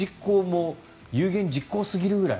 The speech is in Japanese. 有言実行すぎるぐらい。